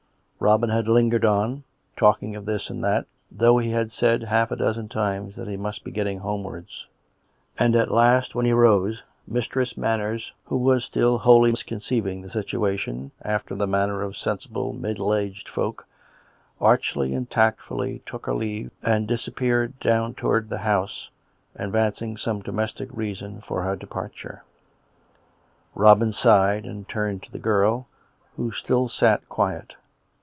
Robin had lingered on, talking of this and that, though he had said half a dozen times that he must be getting homewards; and at last, when he rose. Mistress Manners, wIaO was still wholly misconceiving the situation, after the manner of sensible middle aged folk, archly and tactfully took her leave and disappeared down towards the house, advancing some domestic reason for her departure. Robin sighed, and turned to the girl, who still sat quiet.